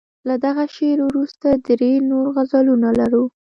له دغه شعر وروسته درې نور غزلونه لرو.